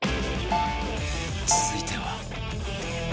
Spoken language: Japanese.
続いては